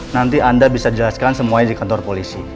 nanti anda bisa jelaskan semuanya di kantor polisi